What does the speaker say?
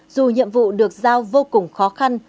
dù nhiệm vụ được giao vô cùng khó khăn